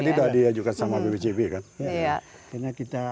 ini sudah diajukan sama bbcb kan